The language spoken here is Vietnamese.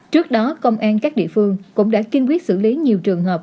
trước đó công an các địa phương cũng đã kiên quyết xử lý nhiều trường hợp